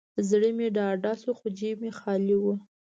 زړه مې ډاډه شو، خو جیب مې خالي و.